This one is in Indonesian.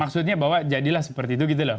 maksudnya bahwa jadilah seperti itu gitu loh